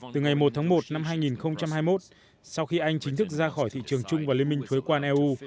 từ ngày một tháng một năm hai nghìn hai mươi một sau khi anh chính thức ra khỏi thị trường chung và liên minh thuế quan eu